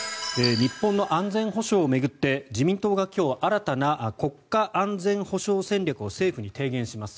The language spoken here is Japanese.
日本の安全保障を巡って自民党が今日新たな国家安全保障戦略を政府に提言します。